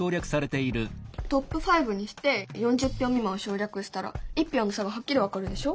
トップ５にして４０票未満は省略したら１票の差がはっきり分かるでしょ？